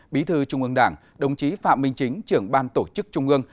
bí thư trung ương đảng đồng chí phạm minh chính trưởng ban tổ chức trung ương